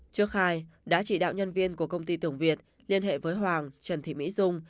trước khai đã chỉ đạo nhân viên của công ty tường việt liên hệ với hoàng trần thị mỹ dung